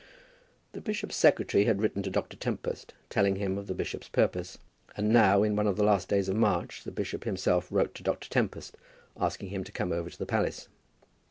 The bishop's secretary had written to Dr. Tempest, telling him of the bishop's purpose; and now, in one of the last days of March, the bishop himself wrote to Dr. Tempest, asking him to come over to the palace.